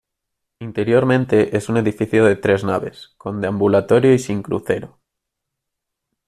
Interiormente es un edificio de tres naves, con deambulatorio y sin crucero.